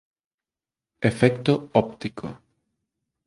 Efecto óptico